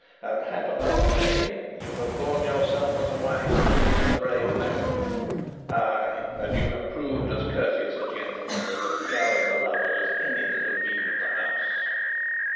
And, happen what may, you have borne yourself as a wise King and a brave man; ay, and you have proved as courteous a gentleman and as gallant a lover as any that have been of the House."